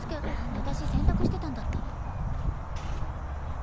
私洗濯してたんだった。